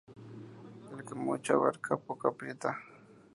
El que mucho abarca, poco aprieta